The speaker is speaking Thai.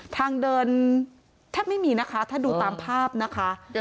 ทางเดินแทบไม่มีนะคะถ้าดูตามภาพนะคะ